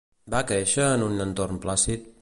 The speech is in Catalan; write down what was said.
Va créixer en un entorn plàcid?